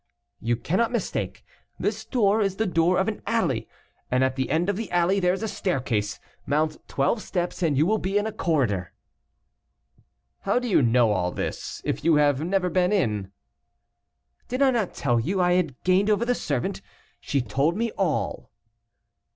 "You cannot mistake; this door is the door of an alley, and at the end of the alley there is a staircase; mount twelve steps, and you will be in a corridor." "How do you know all this, if you have never been in?" "Did I not tell you I had gained over the servant? She told me all."